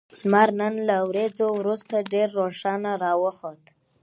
لمر نن له وريځو وروسته ډېر روښانه راوخوت